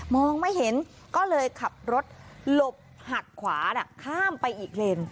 ไม่เห็นก็เลยขับรถหลบหักขวาข้ามไปอีกเลน